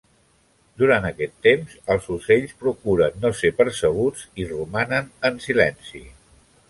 Durant aquest temps, els ocells procuren no ser percebuts i romanen en silenci.